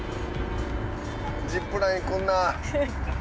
ジップライン来るな。